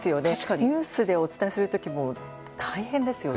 ニュースでお伝えする時も大変ですよね。